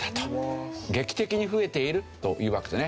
劇的に増えているというわけですね。